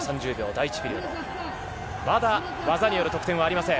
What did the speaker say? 第１ピリオド、まだ技による得点はありません。